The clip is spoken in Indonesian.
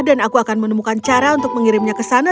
dan aku akan menemukan cara untuk mengirimnya ke sana